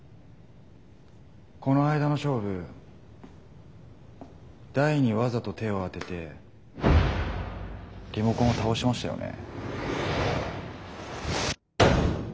この間の勝負台にワザと手を当ててリモコンを倒しましたよね。